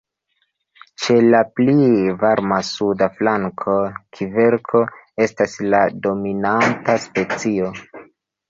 Ĉe la pli varma suda flanko kverko estas la dominanta specio.